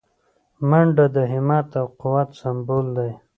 منډه د همت او قوت سمبول دی